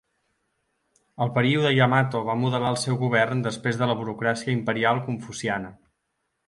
El període Yamato va modelar el seu govern després de la burocràcia imperial confuciana.